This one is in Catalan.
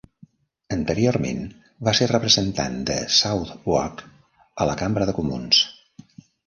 Anteriorment, va ser representant de Southwark a la Cambra dels Comuns.